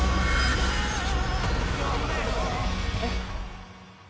「えっ？」